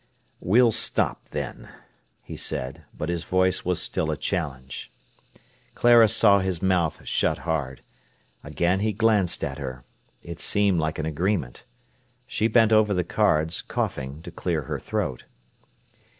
"We'll stop, then," he said, but his voice was still a challenge. Clara saw his mouth shut hard. Again he glanced at her. It seemed like an agreement. She bent over the cards, coughing, to clear her throat.